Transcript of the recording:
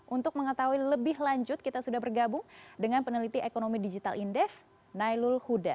untuk mengetahui lebih lanjut kita sudah bergabung dengan peneliti ekonomi digital indef nailul huda